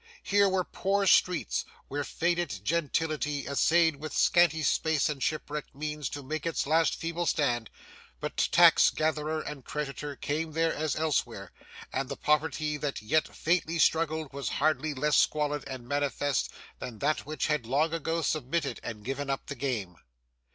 Here were poor streets where faded gentility essayed with scanty space and shipwrecked means to make its last feeble stand, but tax gatherer and creditor came there as elsewhere, and the poverty that yet faintly struggled was hardly less squalid and manifest than that which had long ago submitted and given up the game.